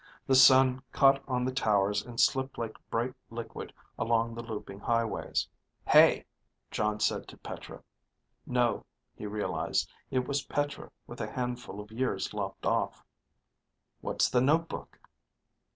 The sun caught on the towers and slipped like bright liquid along the looping highways. "Hey," Jon said to Petra. (No, he realized; it was Petra with a handful of years lopped off.) "What's the notebook?"